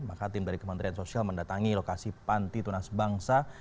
maka tim dari kementerian sosial mendatangi lokasi panti tunas bangsa